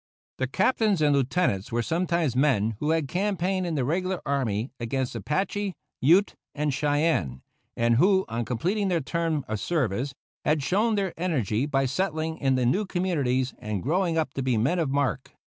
The Captains and Lieutenants were sometimes men who had campaigned in the regular army against Apache, Ute, and Cheyenne, and who, on completing their term of service, had shown their energy by settling in the new communities and growing up to be men of mark.